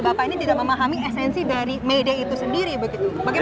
bapak ini tidak memahami esensi dari may day itu sendiri begitu